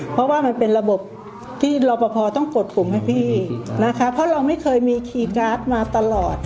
เพราะว่ามันเป็นระบบที่รอปภต้องกดปุ่มให้พี่นะคะเพราะเราไม่เคยมีคีย์การ์ดมาตลอด